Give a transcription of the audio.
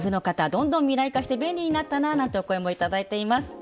「どんどん未来化して便利になったなー」なんてお声も頂いています。